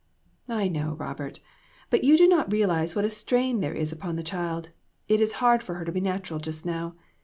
" I know, Robert, but you do not realize what a strain there is upon the child ; it is hard for her to be natural just now.